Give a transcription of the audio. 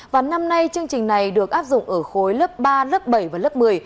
và năm nay chương trình này được áp dụng ở khối lớp ba lớp bảy và lớp một mươi